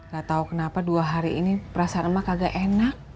gak tau kenapa dua hari ini perasaan emak kagak enak